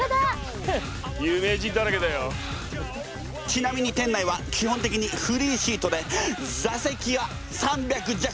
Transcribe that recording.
ちなみに店内は基本的にフリーシートで座席は３００弱。